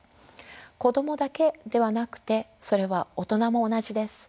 子供だけではなくてそれは大人も同じです。